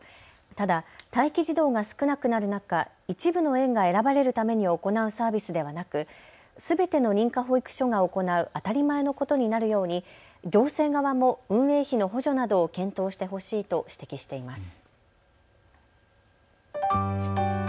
ただ待機児童が少なくなる中、一部の園が選ばれるために行うサービスではなく、すべての認可保育所が行う当たり前のことになるように行政側も運営費の補助などを検討してほしいと指摘しています。